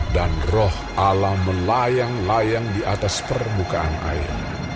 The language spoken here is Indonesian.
dan roh allah melayang layangnya